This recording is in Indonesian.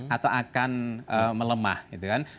atau akan melemah gitu kan